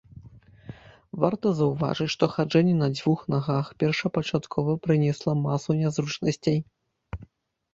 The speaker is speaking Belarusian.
Варта заўважыць, што хаджэнне на дзвюх нагах першапачаткова прынесла масу нязручнасцей.